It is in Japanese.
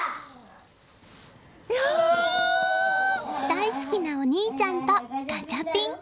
大好きなお兄ちゃんとガチャピン。